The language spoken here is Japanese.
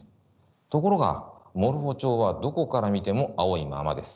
ところがモルフォチョウはどこから見ても青いままです。